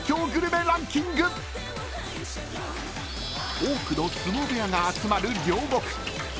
［多くの相撲部屋が集まる両国］